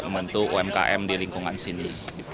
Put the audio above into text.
membantu umkm di lingkungan sini